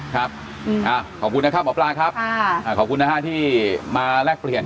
ขอบคุณนะครับหมอปลาครับขอบคุณนะฮะที่มาแลกเปลี่ยน